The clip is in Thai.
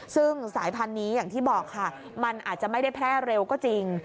ซึ่งสายพันธุ์นี้อย่างที่บอกค่ะมันอาจจะไม่ได้แพร่เร็วก็จริง